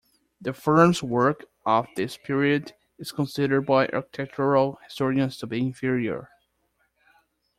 The firm's work of this period is considered by architectural historians to be inferior.